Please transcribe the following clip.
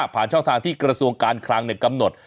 ผ่านช่องทางที่กระทรวงการคลางหนึ่งกำหนด